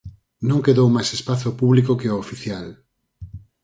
Non quedou máis espazo público que o oficial.